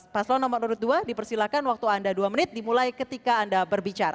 paslon nomor dua dipersilakan waktu anda dua menit dimulai ketika anda berbicara